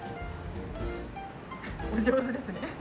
お上手ですね。